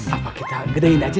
apa kita gedein aja